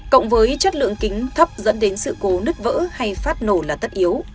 cộng với chất lượng kính thấp dẫn đến sự cố nứt vỡ hay phát nổ là tất yếu